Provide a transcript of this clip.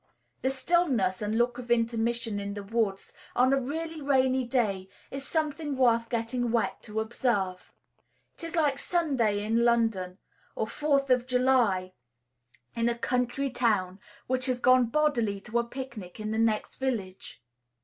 The stillness and look of intermission in the woods on a really rainy day is something worth getting wet to observe. It is like Sunday in London, or Fourth of July in a country town which has gone bodily to a picnic in the next village.